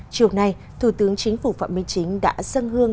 chiều nay thủ tướng chính phủ phạm minh chính đã dâng hương